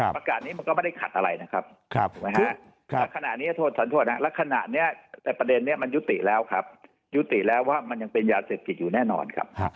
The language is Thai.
ประกาศนี้มันก็ไม่ได้ขัดอะไรนะครับถ้าขณะนี้ประเด็นนี้มันยุติแล้วครับยุติแล้วว่ามันยังเป็นยาเสพติดอยู่แน่นอนครับ